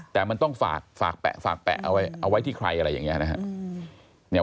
แต่มันต้องฝากแปะฝากแปะเอาไว้ที่ใครอะไรอย่างนี้นะครับ